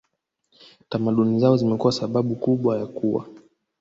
tamaduni zao zimekuwa sababu kubwa ya kuwa